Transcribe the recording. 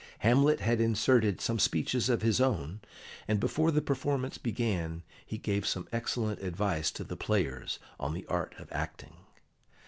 Hamlet had inserted some speeches of his own, and before the performance began he gave some excellent advice to the players on the art of acting.